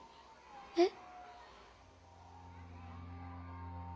えっ。